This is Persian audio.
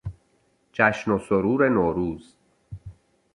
جشن و سرور نوروز